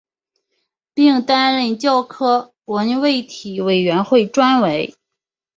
并担任教科文卫体委员会专委。